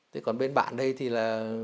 thế còn bên bạn đây thì là